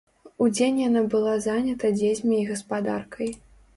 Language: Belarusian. Удзень яна была занята дзецьмі і гаспадаркай.